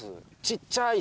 小っちゃい！